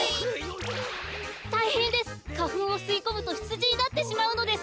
たいへんです！かふんをすいこむとひつじになってしまうのです！